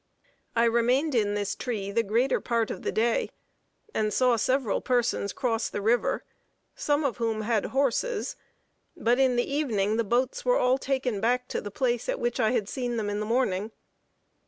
I remained in this tree the greater part of the day, and saw several persons cross the river, some of whom had horses; but in the evening the boats were all taken back to the place at which I had seen them in the morning.